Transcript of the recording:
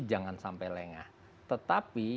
jangan sampai lengah tetapi